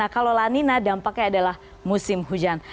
kalau lanina dampaknya adalah musim hujan